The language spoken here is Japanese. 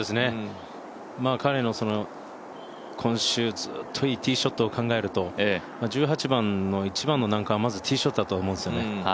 彼の今週ずっといいティーショットを考えると１８番の一番の難関は、まずティーショットだと思うんですよね。